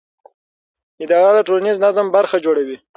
اداره د ټولنیز نظم برخه جوړوي.